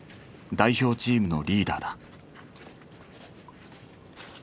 代表チームのリーダーだ。